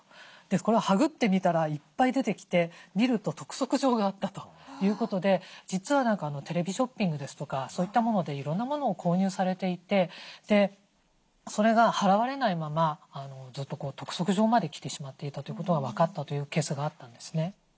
これをはぐってみたらいっぱい出てきて見ると督促状があったということで実はテレビショッピングですとかそういったものでいろんなものを購入されていてでそれが払われないままずっと督促状まで来てしまっていたということが分かったというケースがあったんですね。